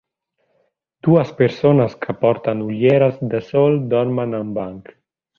Dues persones que porten ulleres de sol dormen a un banc.